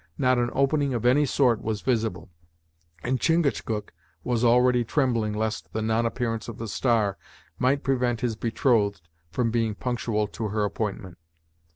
Not an opening of any sort was visible, and Chingachgook was already trembling lest the non appearance of the star might prevent his betrothed from being punctual to her appointment.